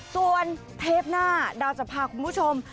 ส่วนเทปหน้าดาวจะพาคุณผู้ชม